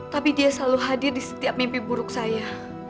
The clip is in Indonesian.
tapi dia selalu hadir di setiap mimpi buruk saya